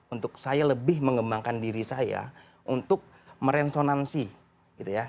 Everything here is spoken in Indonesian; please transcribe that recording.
untuk saya lebih mengembangkan diri saya untuk meresonansi gitu ya